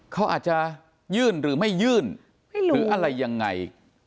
เขาอาจจะยื่นหรือไม่ยื่นหรืออะไรยังไง